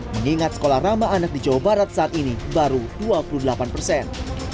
mengingat sekolah ramah anak di jawa barat saat ini baru dua puluh delapan persen